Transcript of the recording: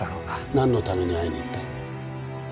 なんのために会いに行った？